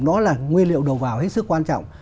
đó là nguyên liệu đầu vào hết sức quan trọng